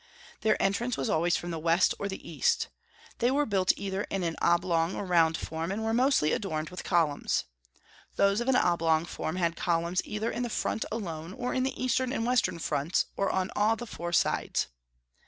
Their entrance was always from the west or the east. They were built either in an oblong or round form, and were mostly adorned with columns. Those of an oblong form had columns either in the front alone, or in the eastern and western fronts, or on all the four sides.